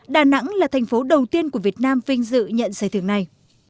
đà nẵng là thành phố đầu tiên của việt nam vinh dự nhận giải thưởng này